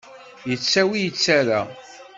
Yettawi, yettarra.